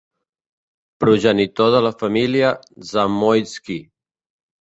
Progenitor de la família Zamoyski.